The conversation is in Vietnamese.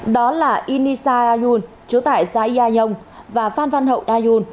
đó là inisa ayun chú tại gia yai nhông và phan phan hậu ayun